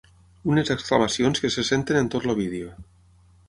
Unes exclamacions que se senten en tot el vídeo.